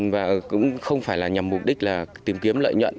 và cũng không phải là nhằm mục đích là tìm kiếm lợi nhuận